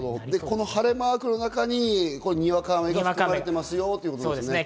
この晴れマークの中ににわか雨が含まれてますよということですね。